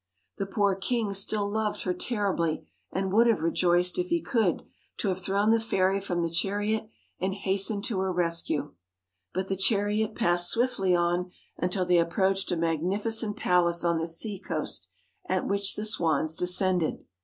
The poor king still loved her tenderly, and would have rejoiced, if he could, to have thrown the fairy from the chariot, and hastened to her rescue. But the chariot passed swiftly on, until they approached a magnificent palace on the sea coast, at which the swans descended.